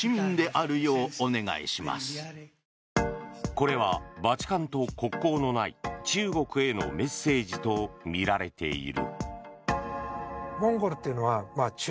これはバチカンと国交のない中国へのメッセージとみられている。